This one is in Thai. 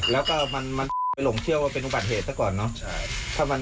แล้วก็มันไปหลงเชื่อว่าเป็นอุบัติเหตุซะก่อนเนอะ